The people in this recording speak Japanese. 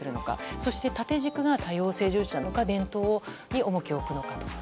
そして縦軸が多様性重視なのか伝統に重きを置くのか。